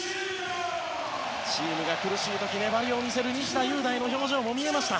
チームが苦しい時、粘りを見せる西田優大の表情も見えました。